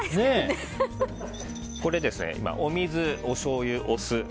お水、おしょうゆ、お酢